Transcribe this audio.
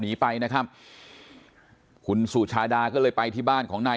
หนีไปนะครับคุณสุชาดาก็เลยไปที่บ้านของนาย